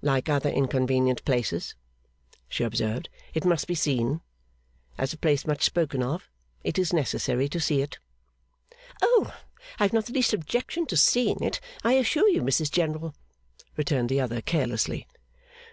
'But, like other inconvenient places,' she observed, 'it must be seen. As a place much spoken of, it is necessary to see it.' 'O! I have not the least objection to seeing it, I assure you, Mrs General,' returned the other, carelessly.